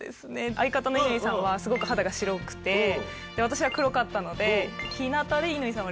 相方の乾さんはすごく肌が白くて私は黒かったので。